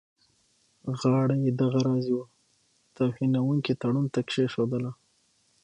غاړه دغه راز یوه توهینونکي تړون ته کښېښودله.